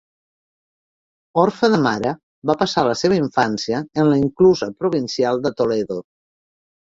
Orfe de mare, va passar la seva infància en la inclusa provincial de Toledo.